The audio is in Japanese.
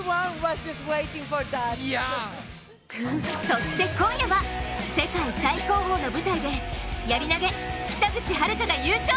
そして今夜は、世界最高峰の舞台でやり投、北口榛花が優勝。